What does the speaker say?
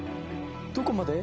どこまで？